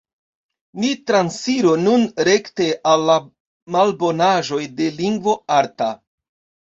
Ni transiru nun rekte al la malbonaĵoj de lingvo arta.